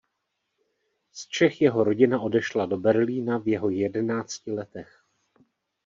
Z Čech jeho rodina odešla do Berlína v jeho jedenácti letech.